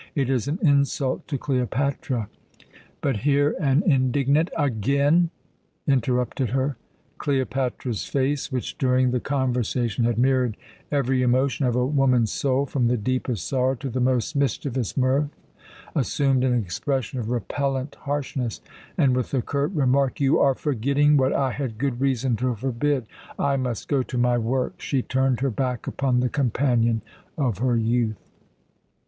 It is an insult to Cleopatra " But here an indignant "Again!" interrupted her. Cleopatra's face, which during the conversation had mirrored every emotion of a woman's soul, from the deepest sorrow to the most mischievous mirth, assumed an expression of repellent harshness, and, with the curt remark, "You are forgetting what I had good reason to forbid I must go to my work," she turned her back upon the companion of her youth.